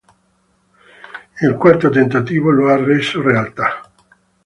Il quarto tentativo lo ha reso realtà.